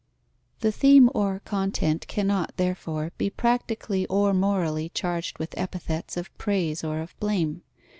_ The theme or content cannot, therefore, be practically or morally charged with epithets of praise or of blame.